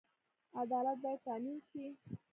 عدالت باید تامین شي